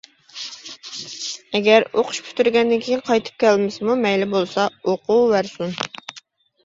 ئەگەر ئوقۇش پۈتتۈرگەندىن كېيىن، قايتىپ كەلمىسىمۇ مەيلى بولسا، ئوقۇۋەرسۇن!